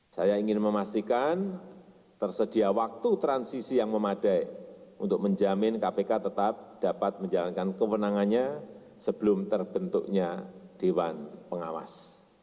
saya ingin memastikan tersedia waktu transisi yang memadai untuk menjamin kpk tetap dapat menjalankan kewenangannya sebelum terbentuknya dewan pengawas